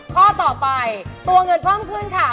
ข้อต่อไปตัวเงินเพิ่มขึ้นค่ะ